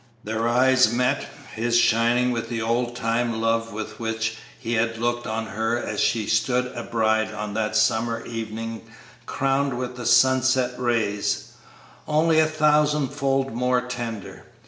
Their eyes met, his shining with the old time love with which he had looked on her as she stood a bride on that summer evening crowned with the sunset rays, only a thousand fold more tender.